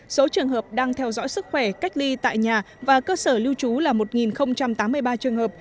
số trường hợp đang theo dõi sức khỏe cách ly tại nhà và cơ sở lưu trú là một tám mươi ba trường hợp